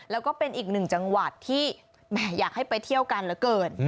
แล้วก็เป็นอีกหนึ่งจังหวัดที่แหมอยากให้ไปเที่ยวกันเหลือเกิน